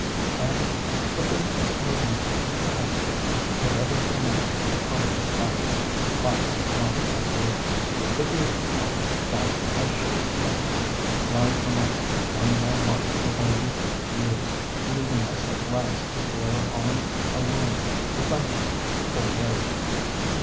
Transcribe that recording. And — ^but there is no use to ask it — ^whatever the land of poverty lacks, it lacks not ideals; the beautiful ones that, as Schiller sings, fly from us one by one with our youthful years, leaving us at last to fare on alone with out them to old age.